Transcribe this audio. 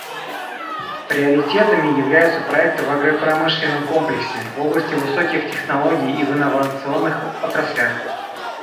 Приоритетными являются проекты в агропромышленном комплексе, в области высоких технологий и в инновационных отраслях.